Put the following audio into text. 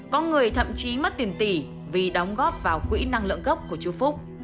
có người thậm chí mất tiền tỷ vì đóng góp vào quỹ năng lượng gốc của chu phúc